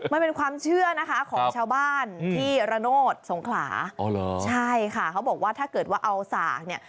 มันเป็นความเชื่อนะคะของชาวบ้านที่ระโนธสงขลาอ๋อเหรอใช่ค่ะเขาบอกว่าถ้าเกิดว่าเอาสากเนี่ย